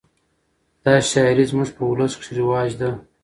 دا شاعري زموږ په اولس کښي رواج ده.